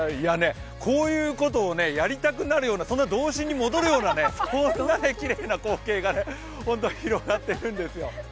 こういうことをやりたくなるような童心に戻るようなきれいな光景が本当に広がっているんですよ。